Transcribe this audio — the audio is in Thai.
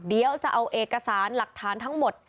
เดี๋ยวจะเอาเอกสารหลักฐานทั้งหมด